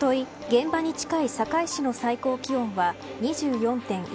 現場に近い堺市の最高気温は２４．１度。